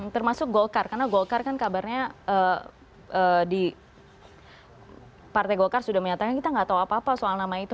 termasuk golkar karena golkar kan kabarnya di partai golkar sudah menyatakan kita nggak tahu apa apa soal nama itu